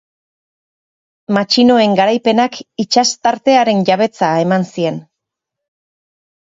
Matxinoen garaipenak itsasartearen jabetza eman zien.